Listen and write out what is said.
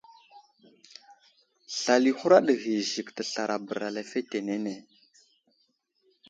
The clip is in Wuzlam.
Slal i huraɗ ghay i Zik teslara bəra lefetenene.